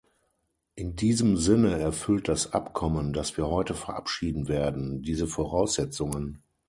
In diesem Sinne erfüllt das Abkommen, das wir heute verabschieden werden, diese Voraussetzungen.